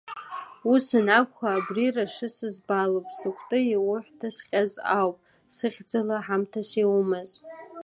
Ус анакәха, абри, рашы сыӡбалуп, сыкәты иауҳәҭасҟьаз ауп, сыхьӡала ҳамҭас иумаз!